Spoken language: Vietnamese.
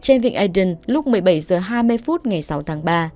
trên vịnh aden lúc một mươi bảy h hai mươi phút ngày sáu tháng ba